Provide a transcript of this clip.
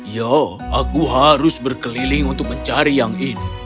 ya aku harus berkeliling untuk mencari yang ini